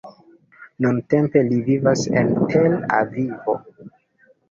Nuntempe li vivas en Tel Avivo.